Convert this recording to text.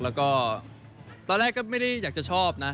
แล้วก็ตอนแรกก็ไม่ได้อยากจะชอบนะ